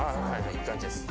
いい感じです。